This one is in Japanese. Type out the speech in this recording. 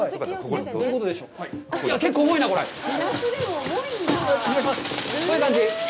こういう感じ？